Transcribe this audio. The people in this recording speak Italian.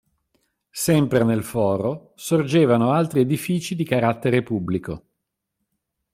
Sempre nel foro sorgevano altri edifici di carattere pubblico.